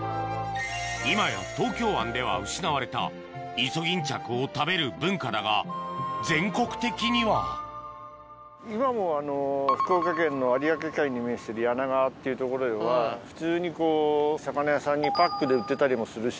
今や東京湾では失われたイソギンチャクを食べる文化だが全国的には今も福岡県の有明海に面してる柳川っていう所では普通にこう魚屋さんにパックで売ってたりもするし。